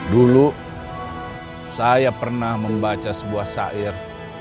dulu saya pernah membaca sebuah syair